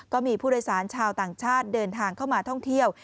ก็มีผู้โดยสารชาวต่างชาติเดินทางเข้ามาท่องเที่ยว